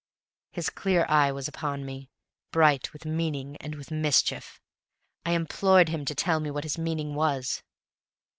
His clear eye was upon me, bright with meaning and with mischief. I implored him to tell me what his meaning was.